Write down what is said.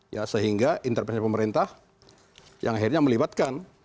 ya sehingga intervensi pemerintah yang akhirnya melibatkan